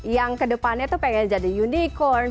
yang kedepannya tuh pengen jadi unicorn